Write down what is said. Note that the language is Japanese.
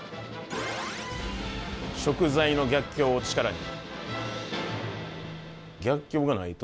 食材の逆境をチカラに。